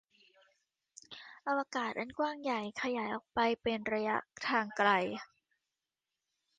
อวกาศอันกว้างใหญ่ขยายออกไปเป็นระยะทางไกล